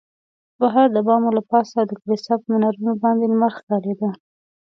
بهر د بامو له پاسه او د کلیسا پر منارو باندې لمر ښکارېده.